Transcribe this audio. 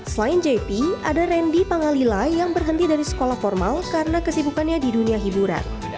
selain jp ada randy pangalila yang berhenti dari sekolah formal karena kesibukannya di dunia hiburan